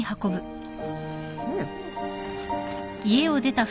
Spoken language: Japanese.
うん。